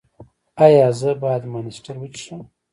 ایا زه باید مانسټر وڅښم؟